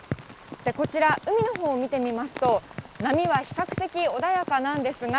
こちら、海のほうを見てみますと、波は比較的穏やかなんですが、